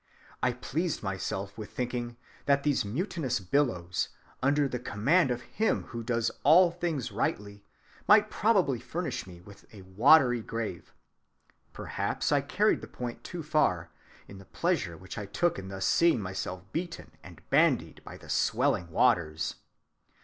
I pleased myself with thinking that those mutinous billows, under the command of Him who does all things rightly, might probably furnish me with a watery grave. Perhaps I carried the point too far, in the pleasure which I took in thus seeing myself beaten and bandied by the swelling waters.